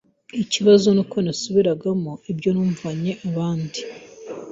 Ikibabaje ni uko nasubiragamo ibyo numvanye abandi,